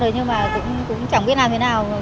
nhưng mà cũng chẳng biết làm thế nào